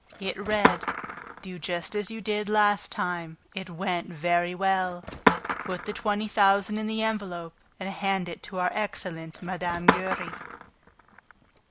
It read: Do just as you did last time. It went very well. Put the twenty thousand in the envelope and hand it to our excellent Mme. Giry.